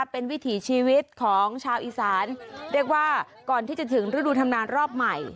เป็นวิถีชีวิตของชาวอีสานเรียกว่าก่อนที่จะถึงฤดูธรรมนานรอบใหม่